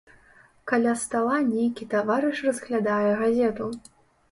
Каля стала нейкі таварыш разглядае газету.